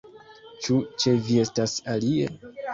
Ĉu ĉe vi estas alie?